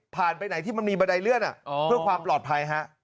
ไปไหนที่มันมีบันไดเลื่อนเพื่อความปลอดภัยฮะ